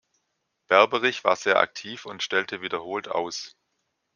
Berberich war sehr aktiv und stellte wiederholt aus.